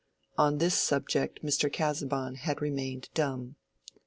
On this subject Mr. Casaubon had remained dumb.